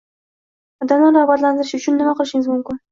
Odamlarni rag‘batlantirish uchun nima qilishingiz mumkin?